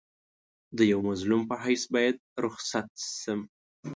د یوه مظلوم په حیث باید رخصت شم.